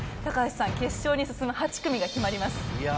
高橋さん決勝に進む８組が決まります。